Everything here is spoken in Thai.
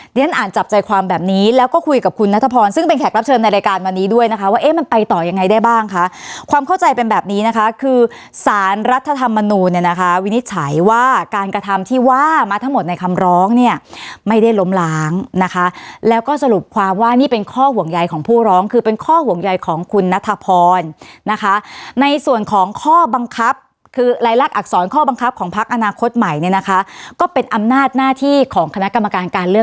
เดี๋ยวฉันอ่านจับใจความแบบนี้แล้วก็คุยกับคุณณฑพรซึ่งเป็นแขกรับเชิญในรายการวันนี้ด้วยนะคะว่าเอ๊ะมันไปต่อยังไงได้บ้างค่ะความเข้าใจเป็นแบบนี้นะคะคือสารรัฐธรรมนูนเนี่ยนะคะวินิจฉัยว่าการกระทำที่ว่ามาทั้งหมดในคำร้องเนี่ยไม่ได้ล้มล้างนะคะแล้วก็สรุปความว่านี่เป็นข้อห่วงใยของผู้